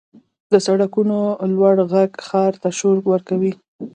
• د سړکونو لوړ ږغ ښار ته شور ورکوي.